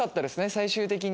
最終的に。